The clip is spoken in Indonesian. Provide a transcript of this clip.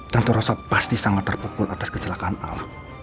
tante rosa pasti sangat terpukul atas kecelakaan al